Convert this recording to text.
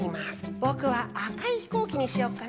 ぼくはあかいひこうきにしよっかな。